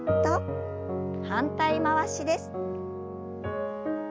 反対回しです。